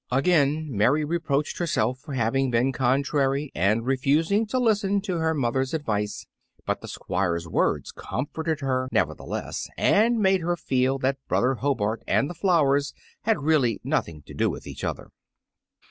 Again Mary reproached herself for having been contrary and refusing to listen to her mother's advice; but the Squire's words comforted her, nevertheless, and made her feel that brother Hobart and the flowers had really nothing to do with each other.